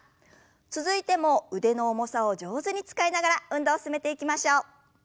続いても腕の重さを上手に使いながら運動を進めていきましょう。